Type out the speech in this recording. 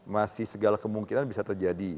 masih segala kemungkinan bisa terjadi